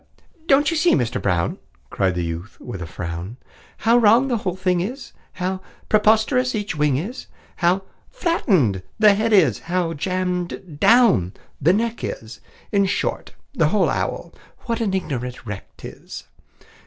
"Don't you see, Mister Brown," Cried the youth, with a frown, "How wrong the whole thing is, How preposterous each wing is, How flattened the head is, how jammed down the neck is In short, the whole owl, what an ignorant wreck 't is!